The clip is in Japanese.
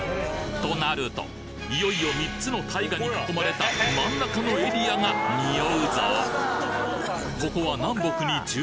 となるといよいよ３つの大河に囲まれた真ん中のエリアがにおうぞ